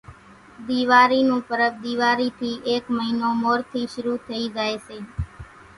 ۮيواري نون پرٻ ۮيواري ٿي ايڪ مئينو مور ٿي شرُو ٿئي زائي سي